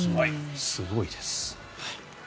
すごいです。